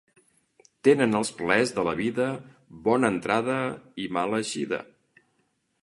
Tenen els plaers de la vida bona entrada i mala eixida.